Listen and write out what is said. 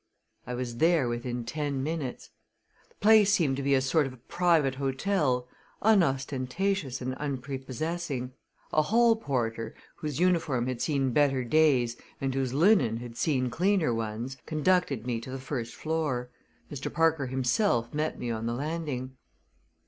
I was there within ten minutes. The place seemed to be a sort of private hotel, unostentatious and unprepossessing. A hall porter, whose uniform had seen better days and whose linen had seen cleaner ones, conducted me to the first floor. Mr. Parker himself met me on the landing.